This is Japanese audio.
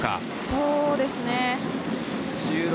そうですね。